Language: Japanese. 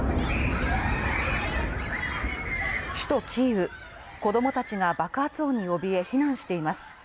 首都キーウ子供たちが爆発音におびえ避難しています。